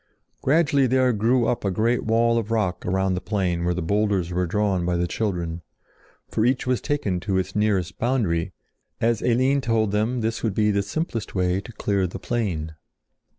Gradually there grew up a great wall of rock around the plain where the boulders were drawn by the children, for each was taken to its nearest boundary, as Eline told them this would be the simplest way to clear the plain.